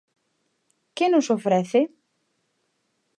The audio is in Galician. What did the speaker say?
¿Que nos ofrece?